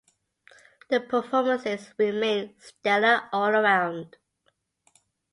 The performances remain stellar all around.